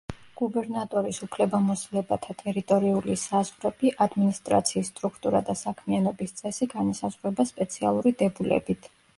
გუბერნატორის უფლებამოსილებათა ტერიტორიული საზღვრები, ადმინისტრაციის სტრუქტურა და საქმიანობის წესი განისაზღვრება სპეციალური დებულებით.